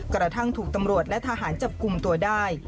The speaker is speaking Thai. กระทั่งถูกตำรวจและทหารจับกลุ่มตัวได้